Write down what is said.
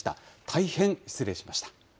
大変失礼しました。